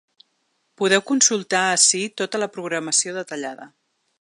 Podeu consultar ací tota la programació detallada.